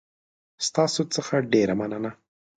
ستاسو څخه ډېره مننه